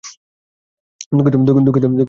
দুঃখিত, মাননীয় বিচারক।